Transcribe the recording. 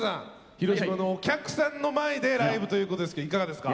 広島のお客さんの前でライブということですけどいかがですか？